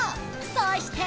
そして。